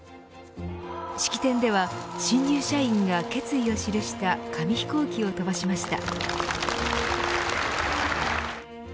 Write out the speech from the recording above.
式典では、新入社員が決意を記した紙飛行機を飛ばしました。